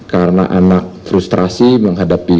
karena anak frustrasi menghadapi